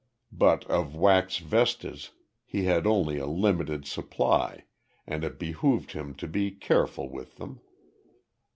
But of wax vestas he had only a limited supply, and it behoved him to be careful with them.